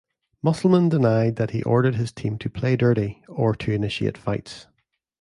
Musselman denied that he ordered his team to play dirty or to initiate fights.